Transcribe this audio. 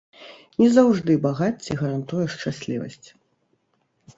Не заўжды багацце гарантуе шчаслівасць.